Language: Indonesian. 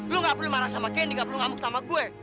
lu gak perlu marah sama kendi gak perlu ngamuk sama gue